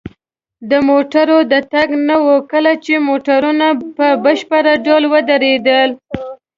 د موټرو د تګ نه وه، کله چې موټرونه په بشپړ ډول ودرېدل.